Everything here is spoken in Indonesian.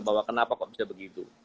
bahwa kenapa kok bisa begitu